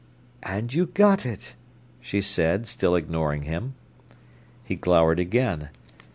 "And you got it," she said, still ignoring him. He glowered again.